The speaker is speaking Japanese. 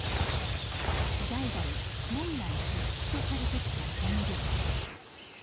代々門外不出とされてきた染料。